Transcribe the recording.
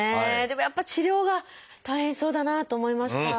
でもやっぱり治療が大変そうだなと思いました。